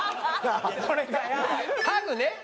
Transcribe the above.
ハグね。